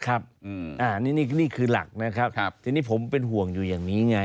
อันนี้นี่คือหลักนะครับทีนี้ผมเป็นห่วงอยู่อย่างนี้ไง